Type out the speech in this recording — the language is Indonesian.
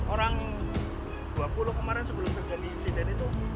orang dua puluh kemarin sebelum kerja di cina itu